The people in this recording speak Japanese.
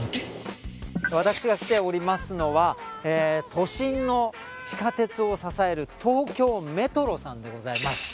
私が来ておりますのは都心の地下鉄を支える東京メトロさんでございます